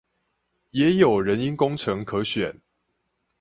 也有人因工程可選